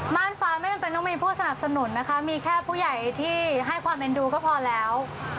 ่านฟ้าไม่จำเป็นต้องมีผู้สนับสนุนนะคะมีแค่ผู้ใหญ่ที่ให้ความเอ็นดูก็พอแล้ว